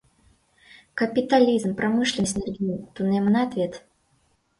Капитализм промышленность нерген тунемынат вет?